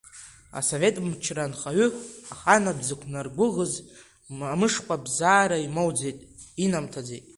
Асовет мчра анхаҩы аханатә дзықәнаргәыӷыз амышхәыбзазара имоуӡеит, инамҭаӡеит.